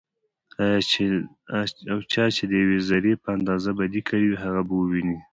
او چا چې ديوې ذرې په اندازه بدي کړي وي، هغه به وويني